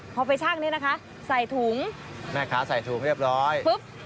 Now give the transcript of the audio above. พอไปชั่งนี้นะคะใส่ถุงแม่ค้าใส่ถุงเรียบร้อยปุ๊บ